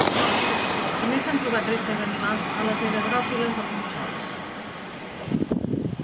També s'han trobat restes d'animals a les egagròpiles dels mussols.